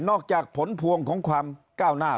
จากผลพวงของความก้าวหน้า